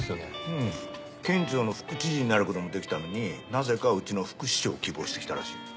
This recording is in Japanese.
うん県庁の副知事になることもできたのになぜかうちの副市長を希望してきたらしいよ。